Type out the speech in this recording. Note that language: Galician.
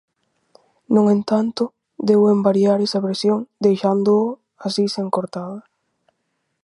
No entanto, deu en variar esa versión, deixándoo así sen coartada.